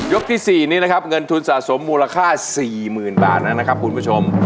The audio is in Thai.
ที่๔นี้นะครับเงินทุนสะสมมูลค่า๔๐๐๐บาทนั้นนะครับคุณผู้ชม